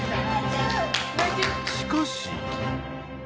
しかし。